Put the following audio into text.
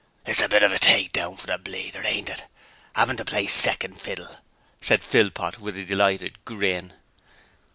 'It is a bit of a take down for the bleeder, ain't it, 'avin' to play second fiddle,' said Philpot with a delighted grin.